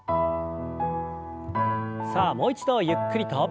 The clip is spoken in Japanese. さあもう一度ゆっくりと。